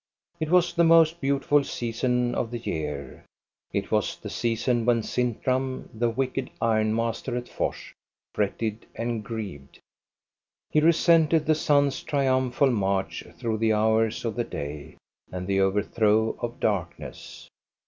It was the most beautiful season of the year. It was the season when Sintram, the wicked ironmaster at Fors, fretted and grieved. He resented the sun's triomphal march through the hours of the day, and the overthrow of darkness.